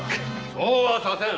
そうはさせん。